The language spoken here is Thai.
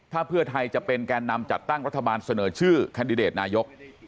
ถ้าเพื่อไทยจะเป็นแก่นำจัดตั้งรัฐบาลเสนอชื่อแคนดิเดตนายก